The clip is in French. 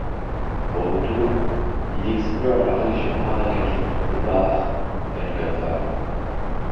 Au retour, il explore la région marécageuse de Bahr el-Ghazal.